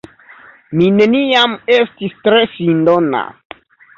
Mi neniam estis tre sindona.